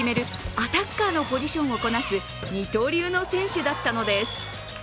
アタッカーのポジションをこなす二刀流の選手だったのです。